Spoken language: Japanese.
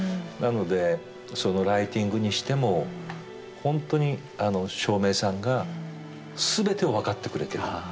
なのでそのライティングにしても本当に照明さんが全てを分かってくれてる。